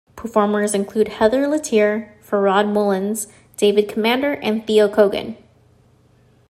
Performers include Heather Litteer, Farrad Mullins, David Commander and Theo Kogan.